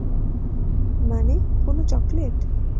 মানে, কোনো চকলেট?